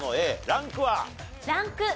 ランク１。